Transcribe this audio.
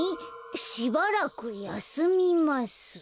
「しばらく休みます」。